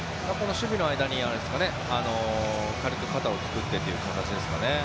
守備の間に軽く肩を作ってという形ですかね。